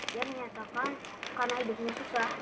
dia menyatakan karena edukasinya susah